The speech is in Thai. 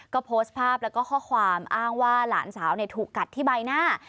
ก็โพสต์ภาพแล้วก็ข้อความอ้างว่าหลานสาวถูกกัดที่ใบหน้า